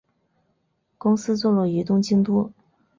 公司坐落于东京都。